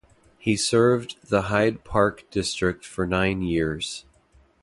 He served the Hyde Park district for nine years.